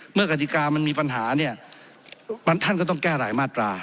เมื่อกฎิกามันมีปัญหาท่านก็ต้องแก้หลายมาตรา